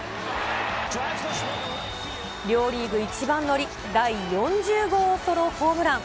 両リーグ一番乗り、第４０号ソロホームラン。